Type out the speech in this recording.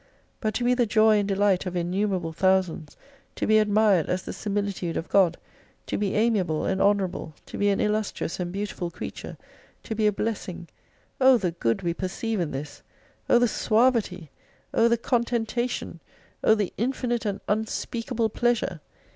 But to be the joy and delight of innumerable thousands, to be admired as the similitude of God, to be amiable and honourable, to be an illustrious and beautiful creature, to be a blessing, O the good we perceive in this ! O the suavity ! O the contentation ! O the infinite and unspeakable pleasure!